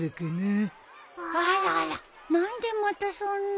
あらら何でまたそんな。